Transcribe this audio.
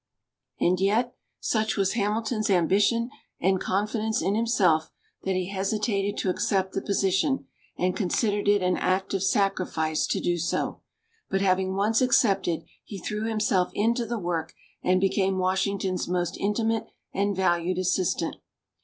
And yet, such was Hamilton's ambition and confidence in himself, that he hesitated to accept the position, and considered it an act of sacrifice to do so. But having once accepted, he threw himself into the work and became Washington's most intimate and valued assistant.